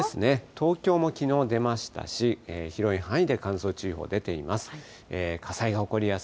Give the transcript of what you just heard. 東京もきのう出ましたし、広い範囲で乾燥注意報出ています。